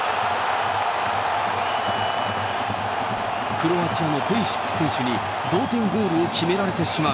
クロアチアのペリシッチ選手に同点ゴールを決められてしまう。